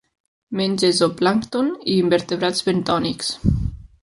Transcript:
Menja zooplàncton i invertebrats bentònics.